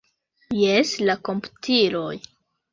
Jes, la komputiloj.